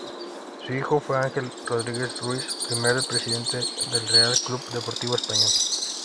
Su hijo fue Ángel Rodríguez Ruiz, primer presidente del Real Club Deportivo Español.